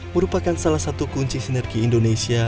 merupakan salah satu kunci sinergi indonesia